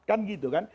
kan gitu kan